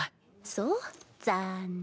そう残念。